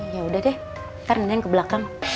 ya udah deh ntar neng ke belakang